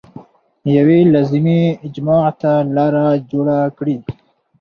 یوې لازمي اجماع ته لار جوړه کړي.